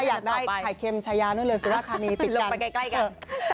ถ้าอยากได้ไข่เค็มชายาด้วยเลยสิวะคานีปิดกัน